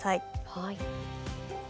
はい。